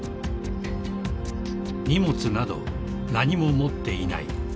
［荷物など何も持っていない］